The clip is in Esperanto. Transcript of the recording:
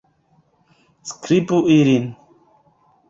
Skribu ilin.